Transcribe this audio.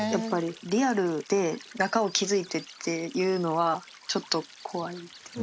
リアルで仲を築いてっていうのはちょっと怖い。